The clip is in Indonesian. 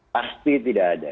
pasti tidak ada